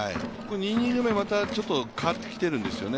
２イニング目、また変わってきているんですよね。